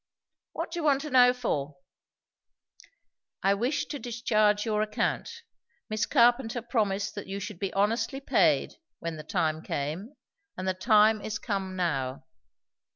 "What do you want to know for?" "I wish to discharge your account. Miss Carpenter promised that you should be honestly paid, when the time came; and the time is come now."